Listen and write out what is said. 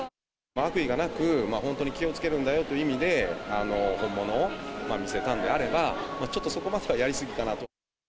悪意がなく、本当に気をつけるんだよという意味で、本物を見せたのであれば、ちょっとそこまではやりすぎかなと。